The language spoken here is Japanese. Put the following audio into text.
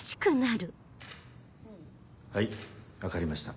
はい分かりました